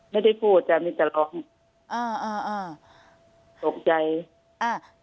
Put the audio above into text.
ไม่ได้พูดจ้ะมีแต่ร้องอ่าอ่าอ่าตกใจอ่า